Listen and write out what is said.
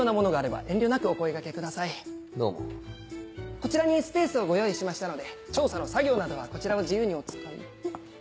こちらにスペースをご用意しましたので調査の作業などはこちらを自由にお使い。